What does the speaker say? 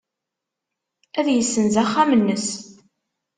Ad yessenz axxam-nnes.